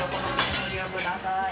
ご利用ください。